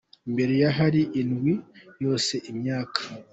Imbere ye hari indwi yose y’imyaka!